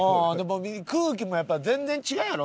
空気もやっぱり全然違うやろ？